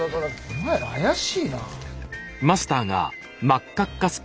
お前ら怪しいな。